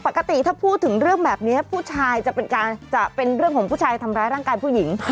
ปกติถ้าพูดถึงเรื่องแบบนี้ผู้ชายจะเป็นเรื่องของผู้ชายทำร้ายร่างกายผู้หญิง